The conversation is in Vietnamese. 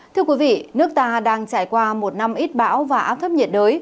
thưa quý vị nước ta đang trải qua một năm ít bão và áp thấp nhiệt đới